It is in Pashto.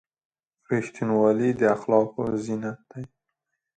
• رښتینولي د اخلاقو زینت دی.